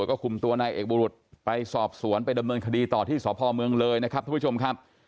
แล้วก็คุมตัวนายเอกบุรุษไปสอบสวนไปดำเนินคดีต่อที่สพเมืองเลยนะครับทุกผู้ชมครับ